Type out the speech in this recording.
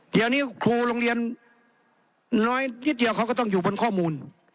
เดี๋ยวนี้ครูโรงเรียนน้อยนิดเดียวเขาก็ต้องอยู่บนข้อมูล